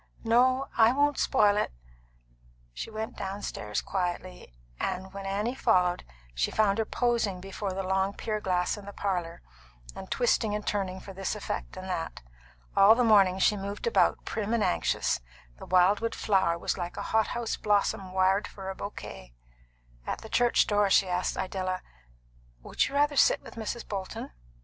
"No; I won't spoil it." She went quietly downstairs, and when Annie followed, she found her posing before the long pier glass in the parlour, and twisting and turning for this effect and that. All the morning she moved about prim and anxious; the wild wood flower was like a hot house blossom wired for a bouquet. At the church door she asked Idella, "Would you rather sit with Mrs. Bolton?"